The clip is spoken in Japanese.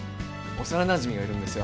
幼なじみがいるんですよ。